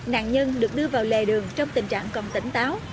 nạn nhân được đưa vào lề đường trong tình trạng còn tỉnh táo